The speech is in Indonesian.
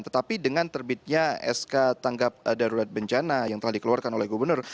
tetapi dengan terbitnya sk tanggap darurat bencana yang telah dikeluarkan oleh gubernur